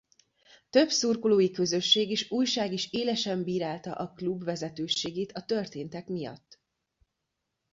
Több szurkolói közösség és újság is élesen bírálta a klub vezetőségét a történtek miatt.